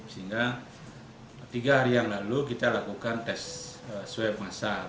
sehingga tiga hari yang lalu kita lakukan tes swab masal